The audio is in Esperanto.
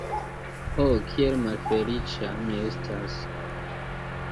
Ho kiel malfeliĉa mi estas!